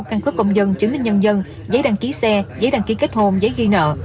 căn cứ công dân chứng minh nhân dân giấy đăng ký xe giấy đăng ký kết hôn giấy ghi nợ